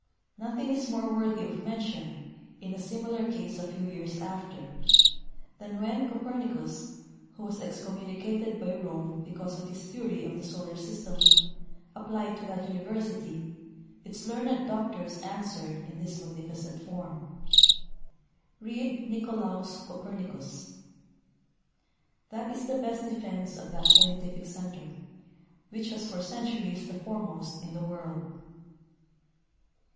Nothing is more worthy of mention, in a similar case a few years after, than when Copernicus, who was excommunicated by Rome because of his theory of the solar system, applied to that university, its learned doctors answered in this magnificent form :" Read Nicolaus Copernicus.^^ That is the best defense of that scientific center, which was for centuries the foremost in the world.